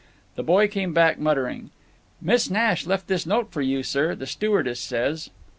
The boy came back muttering, "Miss Nash left this note for you, sir, the stewardess says."